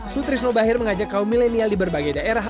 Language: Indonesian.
sutrisno bahir mengajak kaum milenial di berbagai daerah